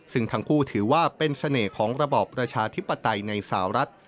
ซึ่งทั้งคู่ถือว่าเป็นเสน่ห์ของระบอบประชาธิปไตยในสาวรัฐ